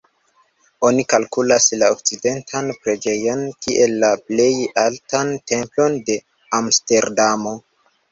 Oni kalkulas la Okcidentan preĝejon kiel la plej altan templon de Amsterdamo.